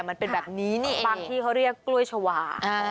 มันเป็นแบบนี้นี่บางที่เขาเรียกกล้วยชาวา